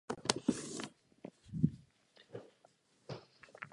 Hodnoty registrů obsahují data.